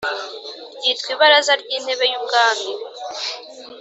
Ryitwa ibaraza ry intebe y ubwami